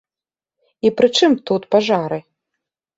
І пры чым тут пажары?